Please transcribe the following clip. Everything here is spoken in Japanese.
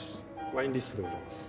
ワインリストでございます。